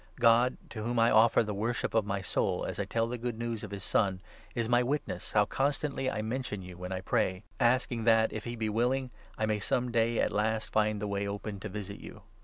God, to whom 9 I offer the worship of my soul as I tell the Good News of his Son, is my witness how constantly I mention you when I pray, asking that, if he be willing', I may some day at 10 last find the way open to visit you.